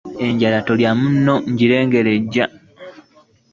Enjala tolya munno ngirengera ejja.